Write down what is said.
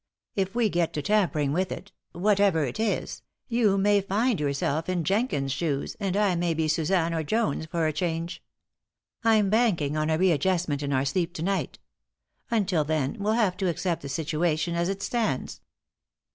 If we get to tampering with it whatever it is you may find yourself in Jenkins's shoes and I may be Suzanne or Jones for a change. I'm banking on a readjustment in our sleep to night. Until then, we'll have to accept the situation as it stands."